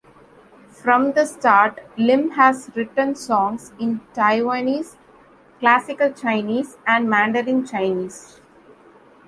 From the start, Lim has written songs in Taiwanese, Classical Chinese, and Mandarin Chinese.